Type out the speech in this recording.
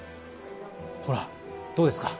ほら、どうですか。